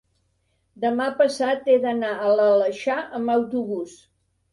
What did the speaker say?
demà passat he d'anar a l'Aleixar amb autobús.